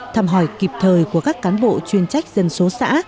thăm hỏi kịp thời của các cán bộ chuyên trách dân số xã